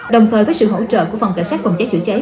đồng thời với sự hỗ trợ của phòng cảnh sát phòng cháy chữa cháy